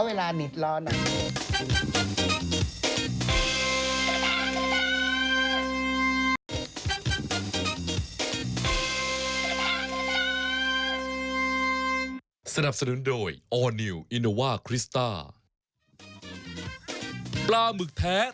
เพราะว่ากว่าจะเห็นรูปของสองคนนี้มาคู่กันอ่ะเดี๋ยวช่วงหน้ามาดูคุณผู้ชม